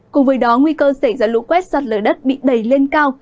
cùng với đó nguy cơ xảy ra lũ quét sạt lở đất bị đẩy lên cao